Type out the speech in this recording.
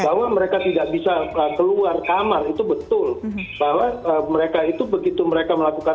bahwa mereka tidak bisa keluar kamar itu betul bahwa mereka itu begitu mereka melakukan